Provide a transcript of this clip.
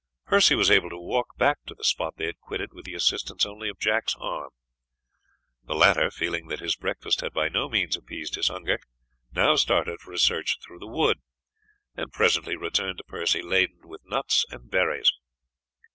Percy was able to walk back to the spot they had quitted with the assistance only of Jack's arm. The latter, feeling that his breakfast had by no means appeased his hunger, now started for a search through the wood, and presently returned to Percy laden with nuts and berries.